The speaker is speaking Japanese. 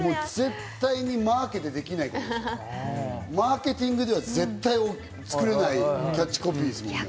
絶対にマーケではできないこと、マーケティングでは絶対に作れないキャッチコピーです。